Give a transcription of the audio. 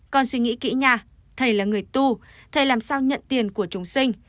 con suy nghĩ kỹ nha thầy là người tu thầy làm sao nhận tiền của chúng sinh